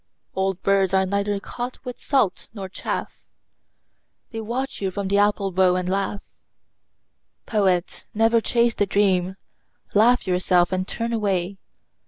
Old birds are neither caught with salt nor chaff: They watch you from the apple bough and laugh. Poet, never chase the dream. Laugh yourself and turn away.